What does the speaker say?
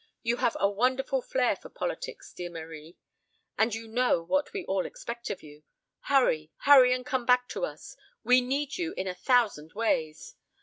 You have a wonderful flair for politics, dear Marie, and you know what we all expect of you. Hurry, hurry and come back to us. We need you in a thousand ways.